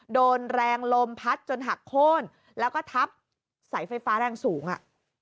โดนแรงลมพัดจนหักโค้นแล้วก็ทับสายไฟฟ้าแรงสูงอ่ะ